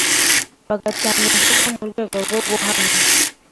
bagatanga inzoga mu rwego rwo guhamya